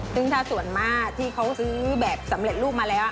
ซึ่งถ้าส่วนมากที่เขาซื้อแบบสำเร็จรูปมาแล้ว